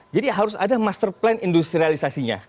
jadi harus ada master plan industrialisasi nya